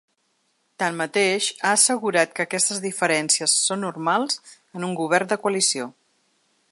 Tanmateix, ha assegurat que aquestes diferències són normals en un govern de coalició.